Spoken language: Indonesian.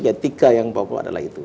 ya tiga yang pokok adalah itu